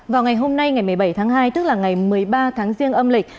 vào ngày hôm nay ngày một mươi bảy tháng hai tức là ngày một mươi ba tháng riêng âm lịch